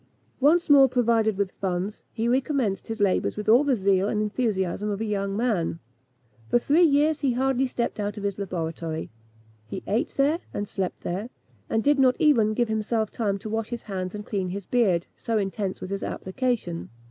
Once more provided with funds, he recommenced his labours with all the zeal and enthusiasm of a young man. For three years he hardly stepped out of his laboratory: he ate there, and slept there, and did not even give himself time to wash his hands and clean his beard, so intense was his application.